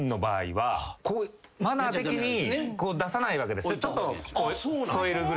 マナー的に出さないわけですね。